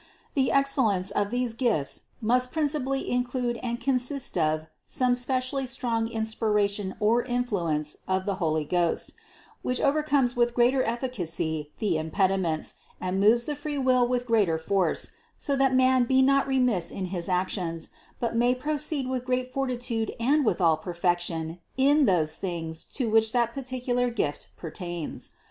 The excellence of these gifts must principally include and con sist of some specially strong inspiration or influence of the Holy Ghost, which overcomes with greater efficacy the impediments and moves the free will with greater force, so that man be not remiss in his actions, but may proceed with great fortitude and with all perfection in those things to which that particular gift pertains.